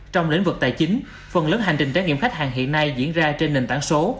trong lĩnh vực tài chính phần lớn hành trình trải nghiệm khách hàng hiện nay diễn ra trên nền tảng số